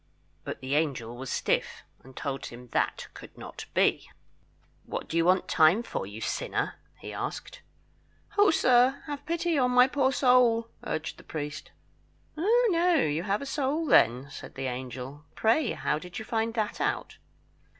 But the angel was stiff, and told him that could not be. "What do you want time for, you sinner?" he asked. "Oh, sir, have pity on my poor soul!" urged the priest. "Oh, no! You have a soul, then," said the angel. "Pray, how did you find that out?"